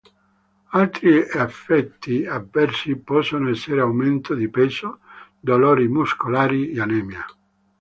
Altri effetti avversi possono essere aumento di peso, dolori muscolari, anemia.